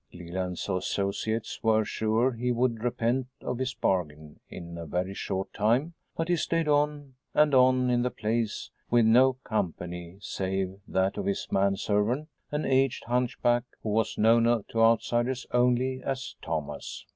Leland's associates were sure he would repent of his bargain in a very short time, but he stayed on and on in the place, with no company save that of his man servant, an aged hunch back who was known to outsiders only as Thomas.